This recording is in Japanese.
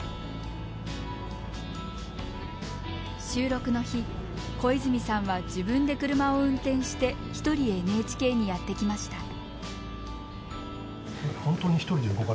収録の日小泉さんは自分で車を運転してひとりＮＨＫにやって来ました。